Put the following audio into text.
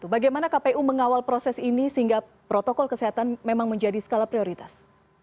bagaimana kpu mengawal proses ini sehingga protokol kesehatan memang menjadi skala prioritas